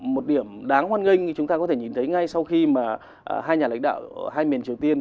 một điểm đáng hoan nghênh như chúng ta có thể nhìn thấy ngay sau khi mà hai nhà lãnh đạo hai miền triều tiên